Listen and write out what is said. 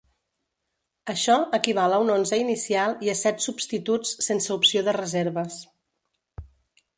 Això equival a un onze inicial i a set substituts sense opció de reserves.